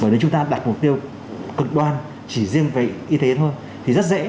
bởi vì chúng ta đặt mục tiêu cực đoan chỉ riêng về y tế thôi thì rất dễ